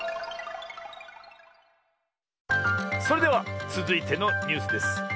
それではつづいてのニュースです。